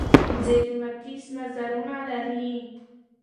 ضد و نقیص نظرونه لري